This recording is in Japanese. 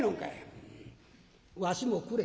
わしもくれ」。